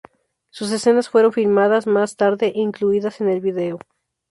Sus escenas fueron filmadas más tarde e incluidas en el vídeo.